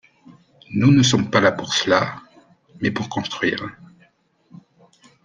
Nous ne sommes pas là pour cela, mais pour construire.